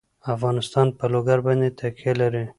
افغانستان په لوگر باندې تکیه لري.